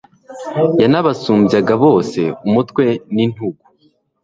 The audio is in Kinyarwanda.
yanabasumbyaga bose umutwe n'intugu